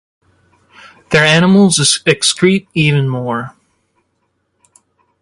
Their animals excrete even more.